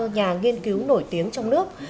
nhà nghiên cứu nổi tiếng trong nước